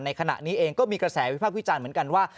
ขณะนี้เองก็มีกระแสวิภาควิจารณ์เหมือนกันว่า